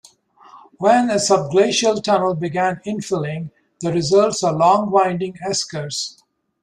When a subglacial tunnel began infilling, the results are long winding eskers.